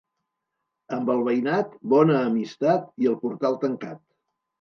Amb el veïnat, bona amistat i el portal tancat.